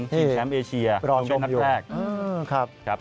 ซิมแคมป์เอเชียครอบคู่นับแพลก